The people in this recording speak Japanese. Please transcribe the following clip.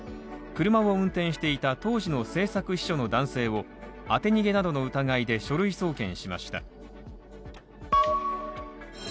車を運転していた当時の政策秘書の男性を当て逃げなどの疑いで書類送検しました。